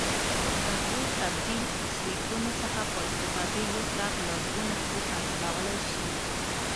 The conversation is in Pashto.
له دوو تبدیل سویچونو څخه په استفاده یو څراغ له دوو نقطو کنټرولولای شي.